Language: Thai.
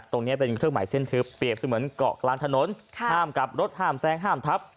ตรงนี้เป็นเครื่องหมายเส้นทึบเปรียบเสมือนเกาะกลางถนนห้ามกลับรถห้ามแซงห้ามทับ